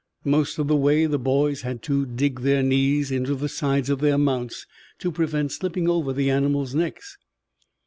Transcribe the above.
Most of the way the boys had to dig their knees into the sides of their mounts to prevent slipping over the animals' necks.